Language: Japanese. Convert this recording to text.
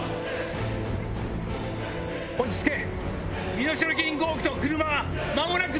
落ち着け！